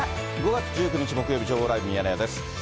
５月１９日木曜日、情報ライブミヤネ屋です。